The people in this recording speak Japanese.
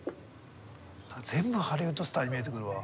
全部ハリウッドスターに見えてくるわ。